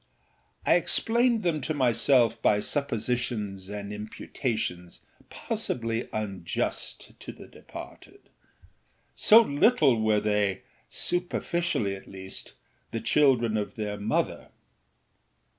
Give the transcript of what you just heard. I explained them to myself by suppositions and imputations possibly unjust to the departed; so little were theyâsuperficially at leastâthe children of their mother.